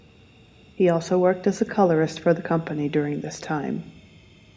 He also worked as a colorist for the company during this time.